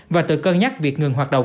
và tự cân nhắc việc ngừng hoạt động